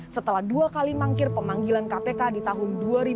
setelah dua kali mangkir pemanggilan kpk di tahun dua ribu dua